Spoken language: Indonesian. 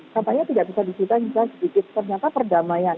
tampaknya tidak bisa disita juga sedikit ternyata perdamaian